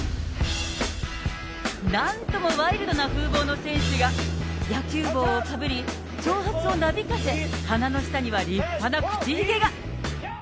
なんともワイルドな風貌の選手が、野球帽をかぶり、長髪をなびかせ、鼻の下には立派な口ひげが。